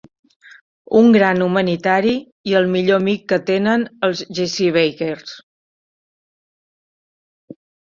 Un gran humanitari i el millor amic que tenen els Jessie Bakers.